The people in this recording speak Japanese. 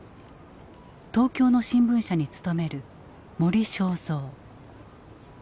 東京の新聞社に勤める森正蔵。